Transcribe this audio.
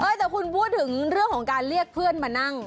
แต่คุณพูดถึงเรื่องของการเรียกเพื่อนมานั่ง